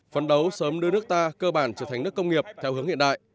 phấn đấu sớm đưa nước ta cơ bản trở thành nước công nghiệp theo hướng hiện đại